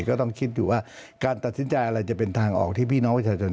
ก็ต้องคิดอยู่ว่าการตัดสินใจอะไรจะเป็นทางออกที่พี่น้องประชาชน